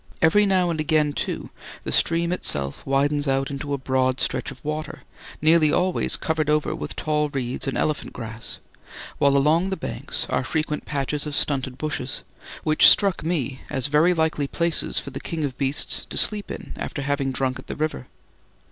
Every now and again, too, the stream itself widens out into a broad stretch of water, nearly always covered over with tall reeds and elephant grass, while along the banks are frequent patches of stunted bushes, which struck me as very likely places for the king of beasts to sleep in after having drunk at the river.